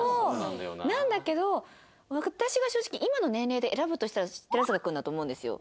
なんだけど私が正直今の年齢で選ぶとしたら寺坂君だと思うんですよ。